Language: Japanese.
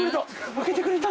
開けてくれた。